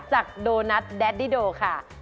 จากโดนัทแดดดิโดค่ะ